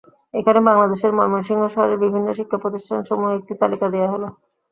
এখানে বাংলাদেশ ময়মনসিংহ শহরের বিভিন্ন শিক্ষা প্রতিষ্ঠানসমূহের একটি তালিকা দেয়া হল।